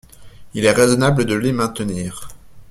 Il est raisonnable de les maintenir.